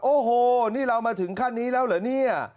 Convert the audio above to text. โอ้โหนี่เรามาถึงขั้นนี้แล้วเหรอเนี่ย